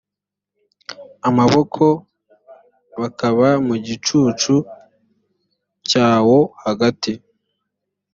amaboko bakaba mu gicucu cyawo hagati